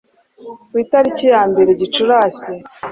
ku itariki ya mbere gicurasi